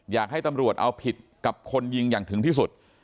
อยากให้ตำรวจเอาผิดกับคนยิงอย่างถึงที่สุด